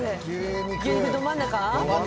牛肉どまん中？